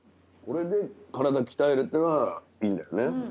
これで体鍛えれたらいいんだよね。